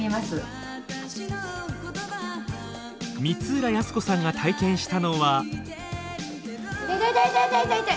光浦靖子さんが体験したのは。